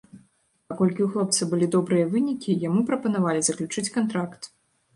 Паколькі ў хлопца былі добрыя вынікі, яму прапанавалі заключыць кантракт.